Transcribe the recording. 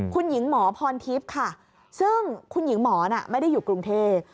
คุณหญิงหมอพรทิพย์ค่ะซึ่งคุณหญิงหมอน่ะไม่ได้อยู่กรุงเทพ